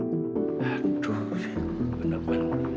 restoran mana bu